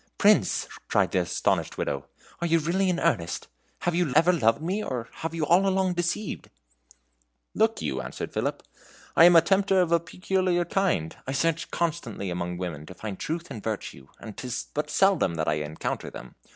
"Prince!" cried the astonished Widow, "are you really in earnest? Have you ever loved me, or have you all along deceived?" "Look you," answered Philip, "I am a tempter of a peculiar kind. I search constantly among women to find truth and virtue, and 'tis but seldom that I encounter them.